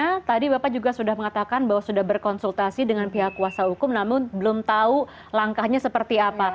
karena tadi bapak juga sudah mengatakan bahwa sudah berkonsultasi dengan pihak kuasa hukum namun belum tahu langkahnya seperti apa